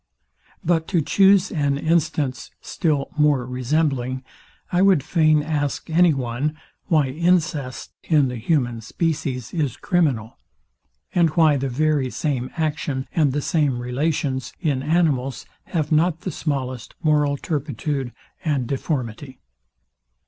But to chuse an instance, still more resembling; I would fain ask any one, why incest in the human species is criminal, and why the very same action, and the same relations in animals have not the smallest moral turpitude and deformity?